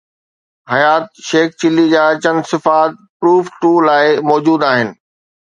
حيات شيخ چلي جا چند صفحا پروف II لاءِ موجود آهن.